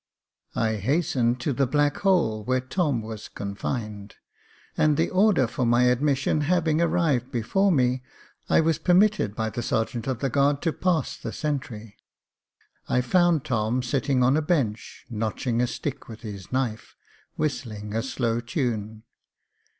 I HASTENED to the black hole where Tom was confined, and the order for my admission having arrived before me, I was permitted by the sergeant of the guard to pass the sentry. I found Tom sitting on a bench notching a stick with his knife, whistling a slow tune.